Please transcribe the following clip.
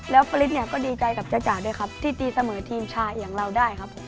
และฝริตดีใจกับจ้าด้วยครับที่ตีเสมอทีมชายอย่างเราได้ครับ